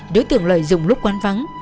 đối tượng lợi dụng lúc quán vắng